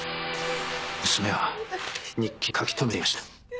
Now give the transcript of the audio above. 娘は日記に書きとめていました。